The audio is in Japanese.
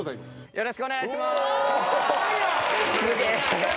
よろしくお願いします。